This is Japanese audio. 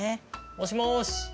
もしもし。